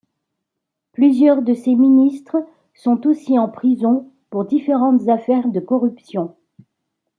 Plusieurs de ses ministres sont aussi en prison pour différentes affaires de corruption.